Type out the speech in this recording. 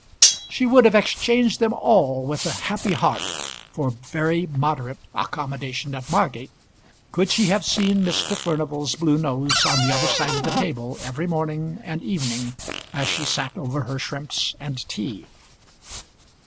She would have exchanged them all with a happy heart for very moderate accommodation at Margate, could she have seen Mr. Furnival's blue nose on the other side of the table every morning and evening as she sat over her shrimps and tea.